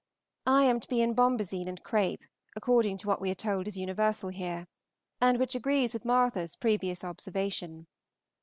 I am to be in bombazeen and crape, according to what we are told is universal here, and which agrees with Martha's previous observation.